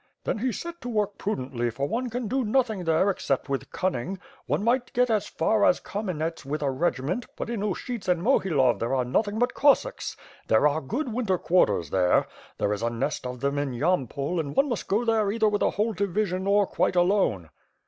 "Then he set to work prudently, for one can do nothing there except with cunning. One might get as far as Kamenets with a regiment, but in Ushyts and Mohilov there are noth ing but Cossacks. There are good winter quarters there. There is a nest of them in Yampol, and one must go there either with a whole division or quite alone."